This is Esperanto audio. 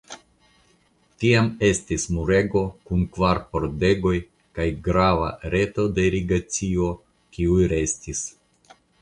Tiam estis murego kun kvar pordegoj kaj grava reto de irigacio kiuj restis.